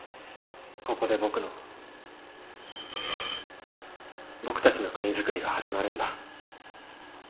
ここで僕の僕たちの国づくりが始まるんだユキ。